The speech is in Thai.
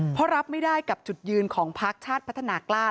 เพราะรับไม่ได้กับจุดยืนของพักชาติพัฒนากล้า